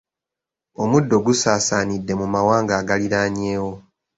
Omuddo gusaasaanidde mu mawanga agaliraanyewo.